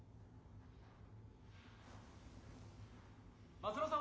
・松戸さん